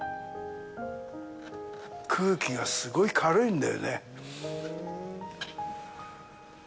空気がすごい軽いんだよね。